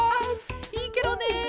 いいケロね。